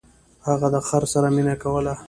هغه د خر سره مینه کوله.